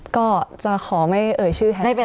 ก็จะขอไม่เอ่ยชื่อแฮชแท็ก